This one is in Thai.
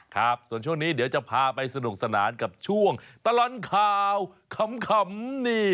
ครับส่วนช่วงนี้เดี๋ยวจะพาไปสนุกสนานกับช่วงตลอดข่าวขำนี่